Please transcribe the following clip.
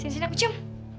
sini sini aku cium